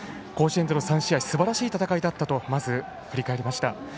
甲子園での３試合すばらしい戦いだったとまず振り返りました。